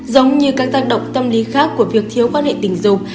giống như các tác động tâm lý khác của việc thiếu quan hệ tình dục